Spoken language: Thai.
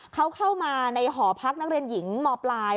เขาเข้ามาในหอพักนักเรียนหญิงมปลาย